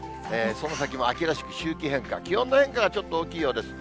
その先も秋らしく、周期変化、気温の変化がちょっと大きいようです。